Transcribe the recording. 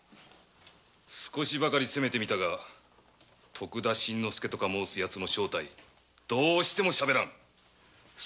少しばかり責めて見たが徳田新之助とか申すヤツの正体どうしてもしゃべらぬ。